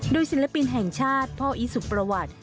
โดยศิลปินแห่งชาติพ่ออีสุประวัติ